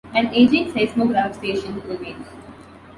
An aging seismograph station remains.